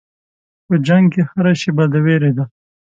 په جنګ کې هره شېبه د وېرې ده.